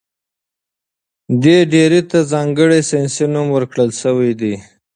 دې ډبرې ته ځانګړی ساینسي نوم ورکړل شوی دی.